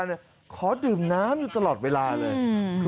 ตัวซานเนี่ยขอดื่มน้ำอยู่ตลอดเวลาเลย